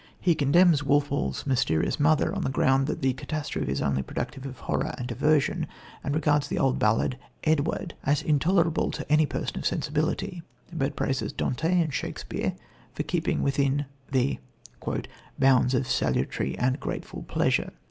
He condemns Walpole's Mysterious Mother on the ground that the catastrophe is only productive of horror and aversion, and regards the old ballad, Edward, as intolerable to any person of sensibility, but praises Dante and Shakespeare for keeping within the "bounds of salutary and grateful pleasure."